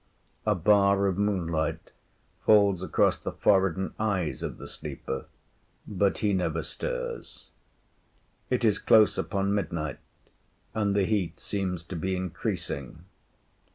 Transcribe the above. A bar of moonlight falls across the forehead and eyes of the sleeper, but he never stirs. It is close upon midnight, and the heat seems to be increasing.